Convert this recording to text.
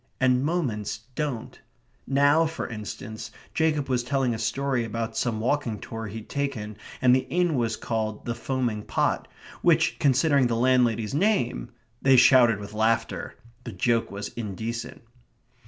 And moments don't. Now, for instance, Jacob was telling a story about some walking tour he'd taken, and the inn was called "The Foaming Pot," which, considering the landlady's name ... They shouted with laughter. The joke was indecent.